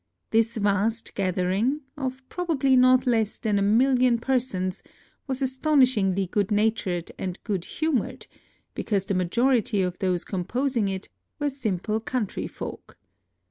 This vast gathering, of probably not less than a million persons, was astonishingly good natured and good hu mored, because the majority of those com posing it were simple country folk.